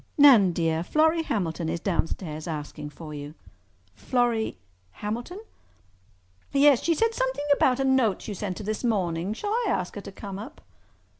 "Nan, dear, Florrie Hamilton is downstairs asking for you." "Florrie—Hamilton?" "Yes. She said something about a note you sent her this morning. Shall I ask her to come up?"